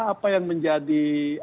apa yang menjadi